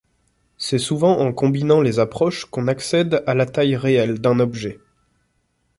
C'est souvent en combinant les approches qu'on accède à la taille réelle d'un objet.